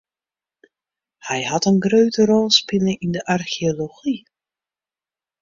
Hy hat in grutte rol spile yn de archeology.